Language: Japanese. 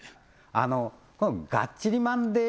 あの今度「がっちりマンデー！！」